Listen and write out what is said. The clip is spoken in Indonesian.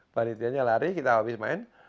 panitianya lari kita habis main